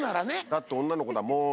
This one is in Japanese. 「だって女の子だもん」